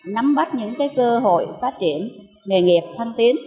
nắm bắt những cơ hội phát triển nghề nghiệp thăng tiến